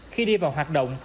khi đi vào hoạt động